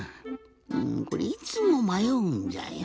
うんこれいつもまようんじゃよ。